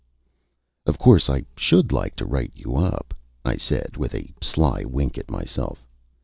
"Of course I should like to write you up," I said, with a sly wink at myself.